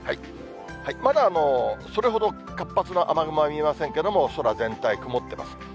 まだそれほど活発な雨雲は見えませんけども、空全体、曇ってます。